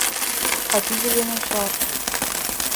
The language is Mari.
— А тидыже — начар!